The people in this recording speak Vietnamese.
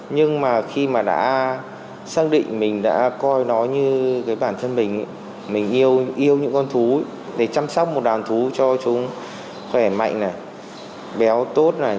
nhưng mà khi mà đã xác định mình đã coi nó như với bản thân mình mình yêu những con thú để chăm sóc một đàn thú cho chúng khỏe mạnh này béo tốt này